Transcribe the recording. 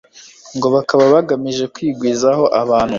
ngo bakaba bagamije kwigwizaho abantu